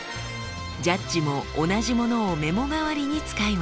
ジャッジも同じものをメモ代わりに使います。